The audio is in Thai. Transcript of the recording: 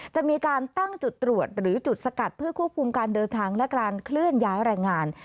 จะมีการตั้งจุดตรวจหรือจุดสกัดเพื่อควบคุมการเดินทางและการเคลื่อนย้ายแรงงาน